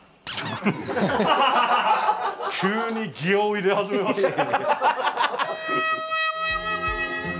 急にギアを入れ始めましたね。